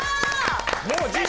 もう次週？